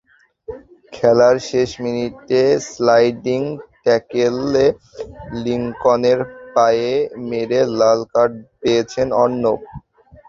খেলার শেষ মিনিটে স্লাইডিং ট্যাকলে লিঙ্কনের পায়ে মেরে লাল কার্ড পেয়েছেন অর্ণব।